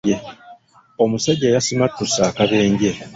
Omusajja yasimattuse akabenje.